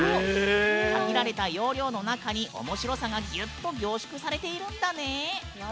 限られた容量の中におもしろさがギュッと凝縮されているんだね！